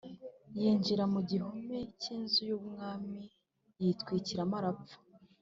yinjira mu gihome cy’inzu y’umwami yitwikiramo arapfa,